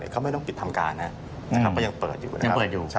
เขาไม่ต้องปิดทำการนะครับเพราะยังเปิดอยู่